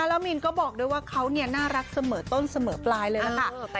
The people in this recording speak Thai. แล้วมินก็บอกด้วยว่าเขาน่ารักเสมอต้นเสมอปลายเลยล่ะค่ะ